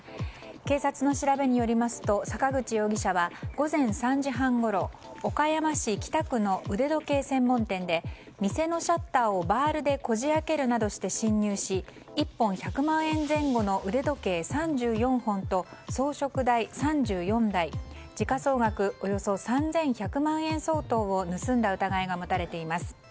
警察の調べによりますと坂口容疑者は午前３時半ごろ岡山市北区の腕時計専門店で店のシャッターをバールでこじ開けるなどして侵入し１本１００万円前後の腕時計３４本と装飾台３４台、時価総額およそ３１００万円相当を盗んだ疑いが持たれています。